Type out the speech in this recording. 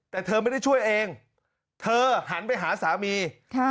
แต่เธอไม่ได้ช่วยเองเธอหันไปหาสามี